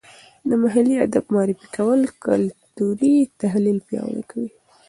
د محلي ادب معرفي کول کلتوري تحلیل پیاوړی کوي.